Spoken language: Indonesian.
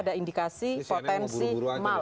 ada indikasi potensi mal